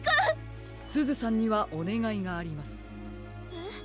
えっ？